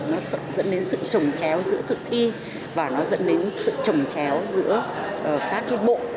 nó dẫn đến sự trồng chéo giữa thực thi và nó dẫn đến sự trồng chéo giữa các cái bộ